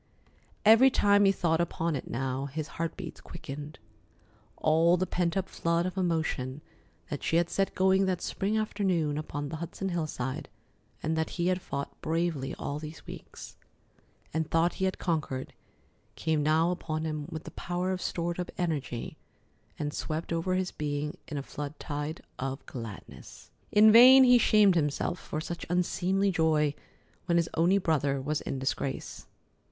Every time he thought upon it now his heart beats quickened. All the pent up flood of emotion that she had set going that spring afternoon upon the Hudson hillside, and that he had fought bravely all these weeks, and thought he had conquered, came now upon him with the power of stored up energy and swept over his being in a flood tide of gladness. In vain he shamed himself for such unseemly joy when his only brother was in disgrace.